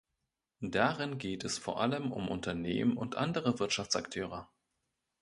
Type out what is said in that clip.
Darin geht es vor allem um Unternehmen und andere Wirtschaftsakteure.